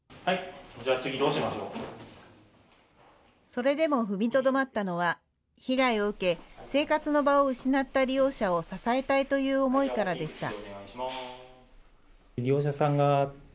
それでも踏みとどまったのは、被害を受け、生活の場を失った利用者を支えたいという思いからでした。